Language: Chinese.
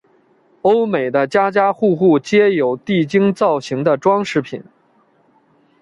欧美的家家户户皆有地精造型的装饰品。